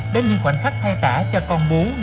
đến những khoảnh khắc thay tả cho con bú